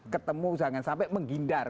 ketemu jangan sampai menggindar